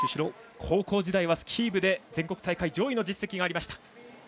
高校時代はスキー部で全国大会上位の実績がありました。